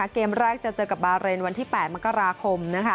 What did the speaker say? เกมแรกจะเจอกับบาเรนวันที่๘มกราคมนะคะ